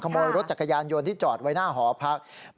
ขโมยรถจักรยานยนต์ที่จอดไว้หน้าหอพัก